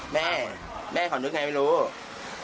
แม่แม่ของหนุ๊กไงไม่รู้